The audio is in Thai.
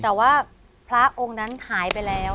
แต่ว่าพระองค์นั้นหายไปแล้ว